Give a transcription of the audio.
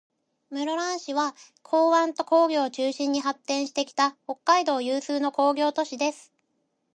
室蘭市は、港湾と工業を中心に発展してきた、北海道有数の工業都市です。